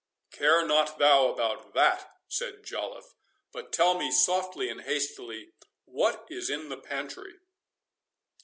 "Care not thou about that," said Joliffe; "but tell me softly and hastily, what is in the pantry?"